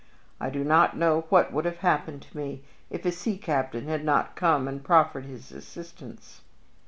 I do not know what would have happened to me if a sea captain had not come and proffered his assistance."